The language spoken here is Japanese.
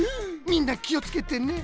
みんなきをつけてね。